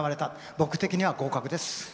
僕的には合格です。